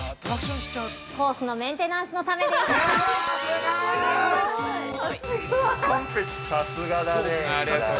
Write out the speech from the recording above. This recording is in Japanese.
◆コースのメンテナンスのためでした。